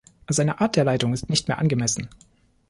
Seine Art der Leitung ist nicht mehr angemessen.